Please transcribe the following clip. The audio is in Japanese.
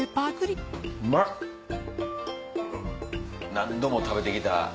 何度も食べて来た。